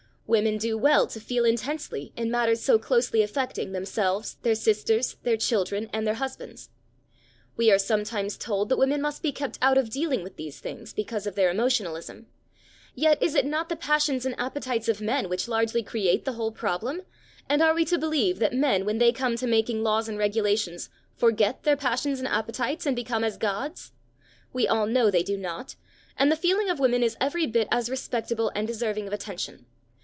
Women do well to feel intensely in matters so closely affecting themselves, their sisters, their children and their husbands. We are sometimes told that women must be kept out of dealing with these things, because of their emotionalism: yet is it not the passions and appetites of men which largely create the whole problem, and are we to believe that men, when they come to making laws and regulations, forget their passions and appetites, and become as gods? We all know they do not, and the feeling of women is every bit as respectable and deserving of attention.